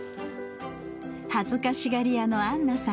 恥ずかしがり屋のアンナさん。